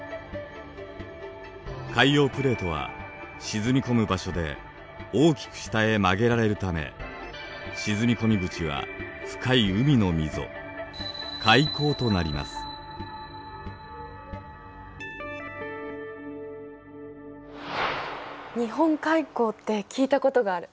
海洋プレートは沈み込む場所で大きく下へ曲げられるため沈み込み口は深い海の溝「日本海溝」って聞いたことがある。